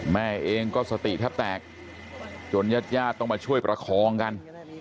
แม่เองก็สติแทบแตกจนญาติญาติต้องมาช่วยประคองกัน